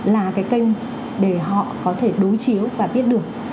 là cái kênh để họ có thể đối chiếu và biết được